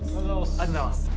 ありがとうございます。